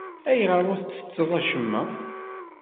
Ayɣer ur ttetteḍ acemma?